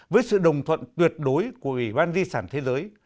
với sự đồng thuận tuyệt đối của ủy ban di sản thế giới